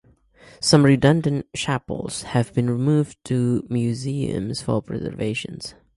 Some redundant chapels have been moved to museums for preservation.